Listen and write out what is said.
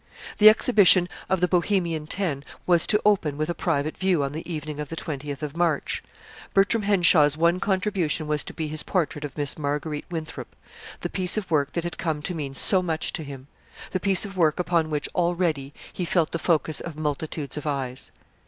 The exhibition of "The Bohemian Ten" was to open with a private view on the evening of the twentieth of March. Bertram Henshaw's one contribution was to be his portrait of Miss Marguerite Winthrop the piece of work that had come to mean so much to him; the piece of work upon which already he felt the focus of multitudes of eyes.